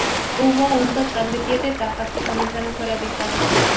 Hubo un total de siete etapas que comenzaron fuera de Italia.